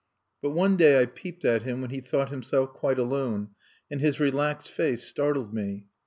But one day I peeped at him when he thought himself quite alone, and his relaxed face startled me.